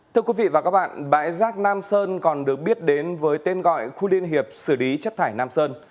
thưa quý vị và các bạn bãi rác nam sơn còn được biết đến với tên gọi khu liên hiệp xử lý chất thải nam sơn